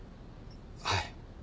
はい。